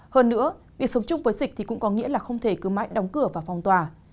hơn nữa việc sống chung với dịch thì cũng có nghĩa là không thể cứ mãi đóng cửa và phòng tòa